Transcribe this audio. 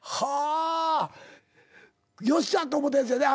「よっしゃ」と思ったやつやで。